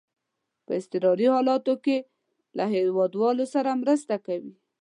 په اضطراري حالاتو کې له هیوادوالو سره مرسته کوي.